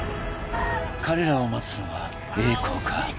彼らを待つのは栄光か？